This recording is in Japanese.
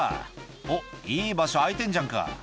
「おっいい場所空いてんじゃんか」